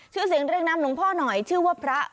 ชื่อเสียงเรียกน้ำหลวงพ่อหน่อยชื่อว่าพระ